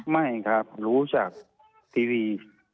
ไม่ครับรู้จักทีวี